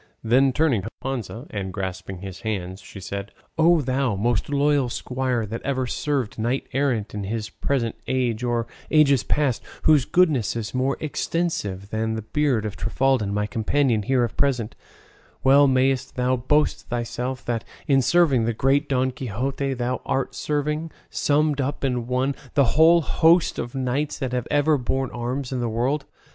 Then turning from Don Quixote to Sancho Panza, and grasping his hands, she said, "O thou, most loyal squire that ever served knight errant in this present age or ages past, whose goodness is more extensive than the beard of Trifaldin my companion here of present, well mayest thou boast thyself that, in serving the great Don Quixote, thou art serving, summed up in one, the whole host of knights that have ever borne arms in the world.